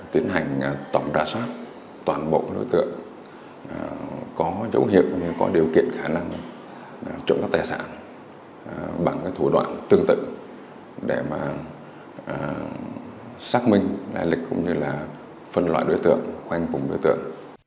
tiến hành tổng đả soát toàn bộ đối tượng có dấu hiệu có điều kiện khả năng trộm cấp tài sản bằng thủ đoạn tương tự để xác minh lãi lịch cũng như là phân loại đối tượng khoanh cùng đối tượng